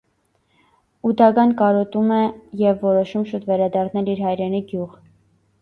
Ուդագան կարոտում է և որոշում շուտ վերադառնալ իր հայրենի գյուղ։